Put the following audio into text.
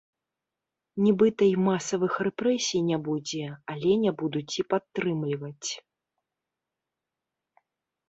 Нібыта і масавых рэпрэсій не будзе, але не будуць і падтрымліваць.